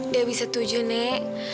dewi setuju nek